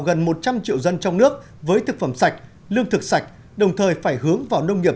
gần một trăm linh triệu dân trong nước với thực phẩm sạch lương thực sạch đồng thời phải hướng vào nông nghiệp